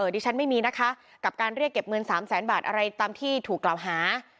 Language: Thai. ดิฉันไม่มีนะคะกับการเรียกเก็บเงิน๓แสนบาทอะไรตามที่ถูกกล่าวหา